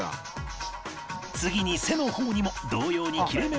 次に背の方にも同様に切れ目を入れていき